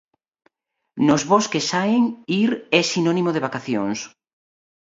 Nos vós que saen, ir é sinónimo de vacacións.